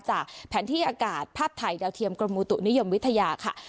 จากแผนที่อากาศภาพถ่ายดาวเทียมกรมอุตุนิยมวิทยาค่ะ